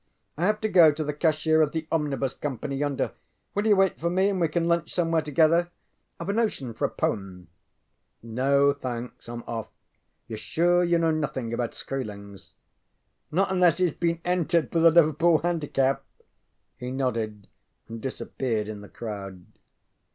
ŌĆ£I have to go to the cashier of the Omnibus Company yonder. Will you wait for me and we can lunch somewhere together? IŌĆÖve a notion for a poem. ŌĆØ ŌĆ£No, thanks. IŌĆÖm off. YouŌĆÖre sure you know nothing about Skroelings? ŌĆØ ŌĆ£Not unless heŌĆÖs been entered for the Liverpool Handicap.ŌĆØ He nodded and disappeared in the crowd.